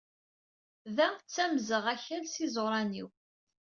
Da ttamZegh akal s iZuRan inw.